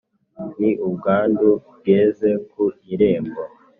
ni ubwandu bweze ku irembo